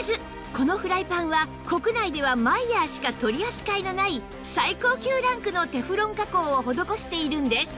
このフライパンは国内ではマイヤーしか取り扱いのない最高級ランクのテフロン加工を施しているんです